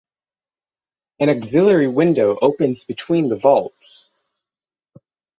An auxiliary window opens between the vaults.